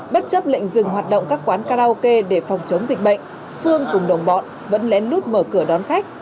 bất chấp lệnh dừng hoạt động các quán karaoke để phòng chống dịch bệnh phương cùng đồng bọn vẫn lén lút mở cửa đón khách